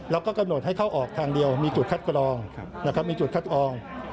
แล้วก็กำหนดให้เข้าออกทางเดียวมีจุดคัดกรองนะครับมีจุดคัดกรอง